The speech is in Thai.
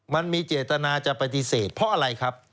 มันมีเจตนาจะปฏิเสธเพราะอะไรครับ